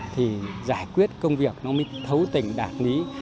thì giải quyết công việc nó mới thấu tình đạt lý